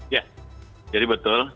ya jadi betul